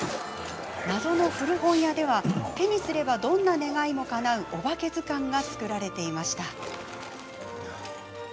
謎の古本屋では手にすればどんな願いもかなう「おばけずかん」が作られていました。